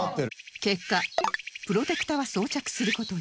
結果プロテクタは装着する事に